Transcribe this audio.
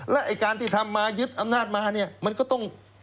และไอ้การที่ทำมายึดอำนาจมาเนี่ยมันก็ต้อง